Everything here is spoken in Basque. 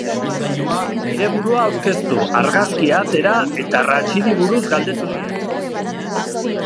Nire burua aurkeztu, argazkia atera eta Rachidi buruz galdetu nien.